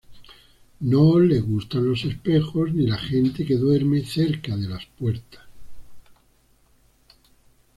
No le gustan los espejos ni la gente que duerme cerca de las puertas.